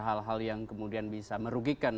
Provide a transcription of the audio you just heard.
hal hal yang kemudian bisa merugikan